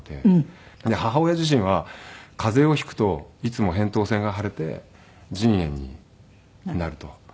母親自身は風邪を引くといつも扁桃腺が腫れて腎炎になると。